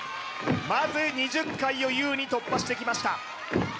まず２０回を優に突破してきました